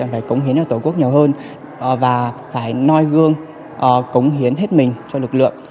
phải cống hiến cho tổ quốc nhiều hơn và phải noi gương cống hiến hết mình cho lực lượng